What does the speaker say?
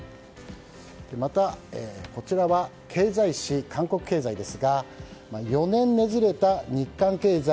また、こちらは経済紙韓国経済ですが４年ねじれた日韓経済